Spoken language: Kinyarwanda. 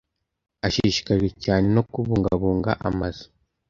Ashishikajwe cyane no kubungabunga amazu.